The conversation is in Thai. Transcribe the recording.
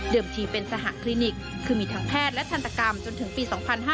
ทีเป็นสหคลินิกคือมีทั้งแพทย์และทันตกรรมจนถึงปี๒๕๕๙